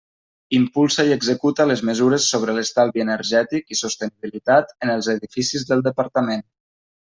Impulsa i executa les mesures sobre l'estalvi energètic i sostenibilitat en els edificis del Departament.